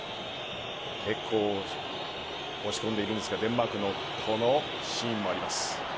結構、押し込んでいるんですがデンマークのこのシーンもあります。